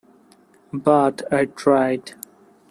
But I tried.